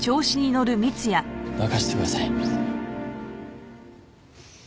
任せてください。